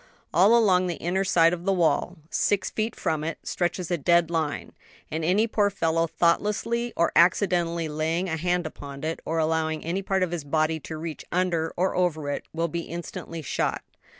All along the inner side of the wall, six feet from it, stretches a dead line; and any poor fellow thoughtlessly or accidentally laying a hand upon it, or allowing any part of his body to reach under or over it, will be instantly shot.